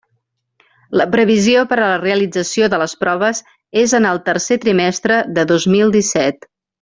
La previsió per a la realització de les proves és en el tercer trimestre de dos mil disset.